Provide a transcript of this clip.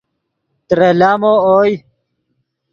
ترے لامو اوئے